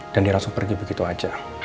dan dia langsung pergi begitu aja